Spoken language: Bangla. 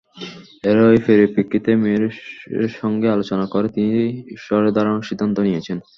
এরই পরিপ্রেক্ষিতে মেয়রের সঙ্গে আলোচনা করে তিনি সরে দাঁড়ানোর সিদ্ধান্ত নিয়েছেন।